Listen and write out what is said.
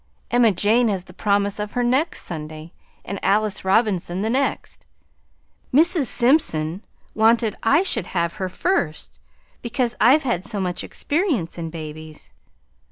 Emma Jane has the promise of her next Sunday and Alice Robinson the next. Mrs. Simpson wanted I should have her first because I've had so much experience in babies.